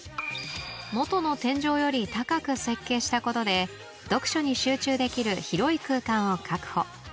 元の天井より高く設計したことで読書に集中できる広い空間を確保